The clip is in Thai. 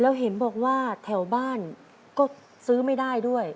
แล้วเห็นบอกว่าแถวบ้านก็ซื้อไม่ได้ด้วย